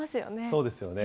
そうですよね。